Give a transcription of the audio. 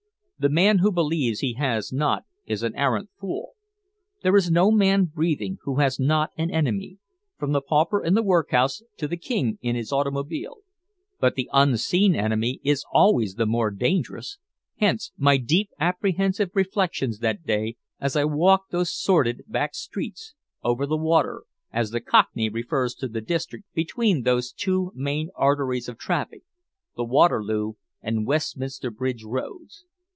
The man who believes he has not is an arrant fool. There is no man breathing who has not an enemy, from the pauper in the workhouse to the king in his automobile. But the unseen enemy is always the more dangerous; hence my deep apprehensive reflections that day as I walked those sordid back streets "over the water," as the Cockney refers to the district between those two main arteries of traffic, the Waterloo and Westminster Bridge Roads.